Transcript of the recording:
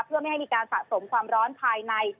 เพื่อไม่ให้มีการสะสมความร้อนภายใน